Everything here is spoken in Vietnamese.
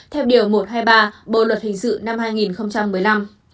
theo điều một trăm hai mươi ba bộ luật hình sự năm hai nghìn một mươi năm